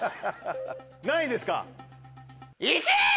何位ですか？